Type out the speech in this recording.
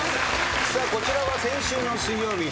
さあこちらは先週の水曜日。